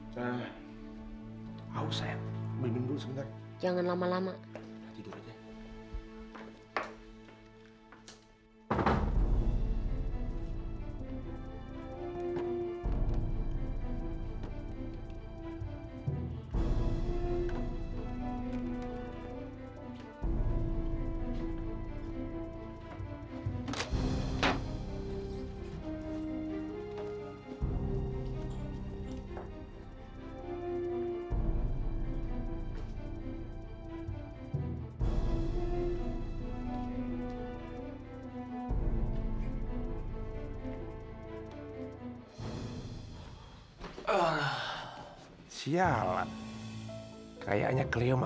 ketangan putri saya clio